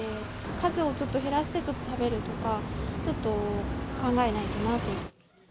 数をちょっと減らして食べるとか、ちょっと考えないとなと。